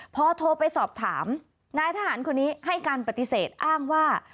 พอโทรไปสอบถามนายทหารคนนี้ให้การปฏิเสธอ้างว่า